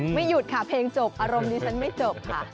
หยุดค่ะเพลงจบอารมณ์ดิฉันไม่จบค่ะ